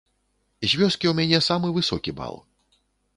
З вёскі ў мяне самы высокі бал.